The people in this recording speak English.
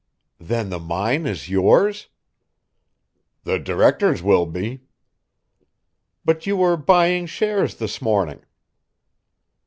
"Then the mine is yours?" "The directors will be." "But you were buying shares this morning."